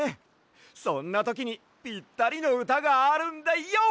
そんなときにぴったりのうたがあるんだＹＯ！